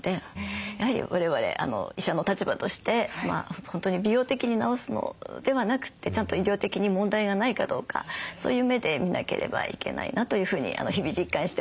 やはりわれわれ医者の立場として本当に美容的に治すのではなくてちゃんと医療的に問題がないかどうかそういう目で見なければいけないなというふうに日々実感しております。